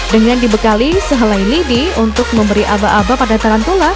dengan dibekali sehelai lidi untuk memberi aba aba pada tarantula